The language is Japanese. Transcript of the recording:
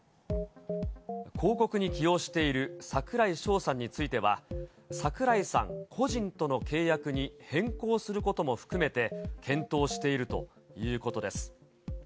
広告に起用している櫻井翔さんについては、櫻井さん個人との契約に変更することも含めて、検討しているということです。